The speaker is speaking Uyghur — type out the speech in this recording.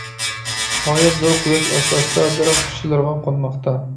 غايەت زور قۇياش ئاستا-ئاستا دەرەخ ئۇچلىرىغا قونماقتا.